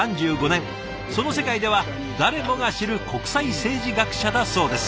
その世界では誰もが知る国際政治学者だそうです。